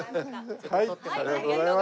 ありがとうございます。